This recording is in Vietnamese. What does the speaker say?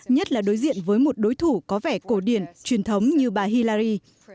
nhất là đối diện với một đối thủ có vẻ cổ điển truyền thống như bà hillari